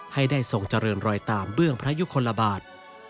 ให้ได้ทรงเจริญรอยตามเบื้องพระยุคลบาท